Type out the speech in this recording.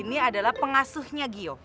ini adalah pengasuhnya gio